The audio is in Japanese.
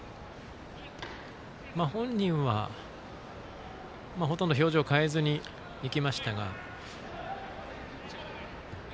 本人は、ほとんど表情を変えずに行きましたが。